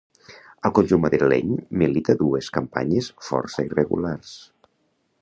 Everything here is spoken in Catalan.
Al conjunt madrileny milita dues campanyes força irregulars.